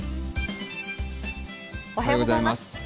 おはようございます。